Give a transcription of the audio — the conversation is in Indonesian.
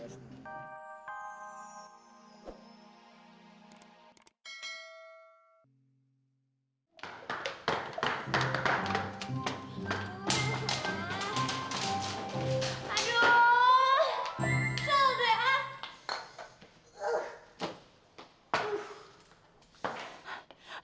salah gue ah